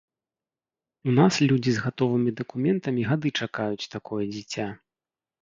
У нас людзі з гатовымі дакументамі гады чакаюць такое дзіця.